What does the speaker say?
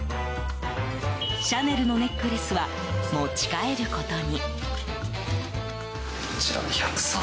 シャネルのネックレスは持ち帰ることに。